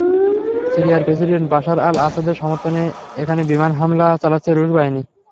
সিরিয়ার president Bashar আল-আসাদের সমর্থনে এখানে বিমান হামলা চালাচ্ছে রুশ বাহিনী।